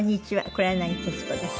黒柳徹子です。